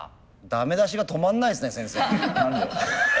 駄目出しが止まんないですね先生。